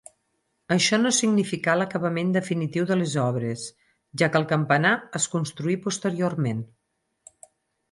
Això no significà l'acabament definitiu de les obres, ja que el campanar es construí posteriorment.